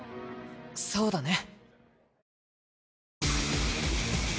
そうだね。